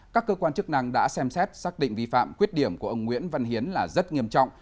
các cơ quan chức năng đã xem xét xác định vi phạm khuyết điểm của ông nguyễn văn hiến là rất nghiêm trọng